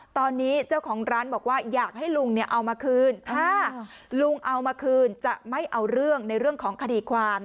ตอนนี้เจ้าของร้านบอกว่าอยากให้ลุงเนี่ยเอามาคืนถ้าลุงเอามาคืนจะไม่เอาเรื่องในเรื่องของคดีความ